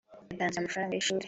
Watanze amafaranga y’ishuri